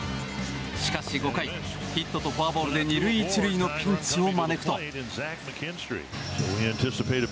しかし、５回ヒットとフォアボールで２塁１塁のピンチを招くと。